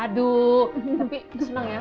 aduh tapi senang ya